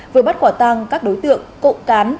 vừa bắt quả tang các đối tượng cộng cán